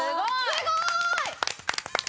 すごーい。